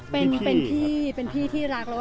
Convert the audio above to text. เป็นภาคที่เพิ่มเป็นมีความกลัว